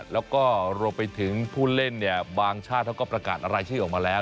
แล้วก็รวมไปถึงผู้เล่นเนี่ยบางชาติเขาก็ประกาศรายชื่อออกมาแล้ว